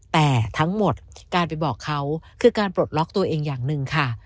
แต่ทั้งหมดการไปบอกเขาคือการปลดล็อกตัวเองอย่างหนึ่งค่ะ